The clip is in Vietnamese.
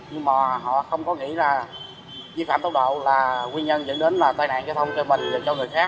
nhưng mà họ không có nghĩ là vi phạm tốc độ là nguyên nhân dẫn đến là tai nạn giao thông cho mình cho người khác